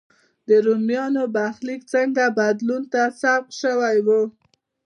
رومیانو برخلیک څنګه بدلون ته سوق شوی و.